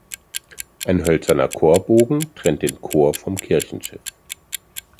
Ein hölzerner Chorbogen trennt den Chor vom Kirchenschiff.